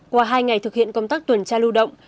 qua hai ngày thực hiện công tác tuần tra lưu động